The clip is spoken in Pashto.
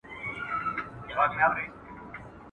خداى وركړي وه سل سره سل خيالونه.